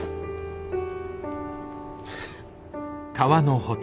フフッ。